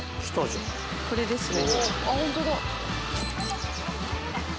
これですね。